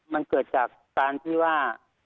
มันเกิดจากการที่ว่า